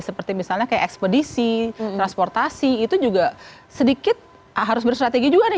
seperti misalnya kayak ekspedisi transportasi itu juga sedikit harus bersrategi juga nih